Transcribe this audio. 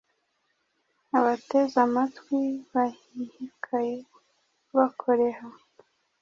Abateze amatwi bahihikaye bakoreha